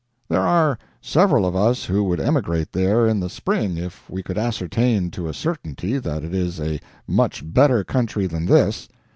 There are several of us who would emigrate there in the spring if we could ascertain to a certainty that it is a much better country than this.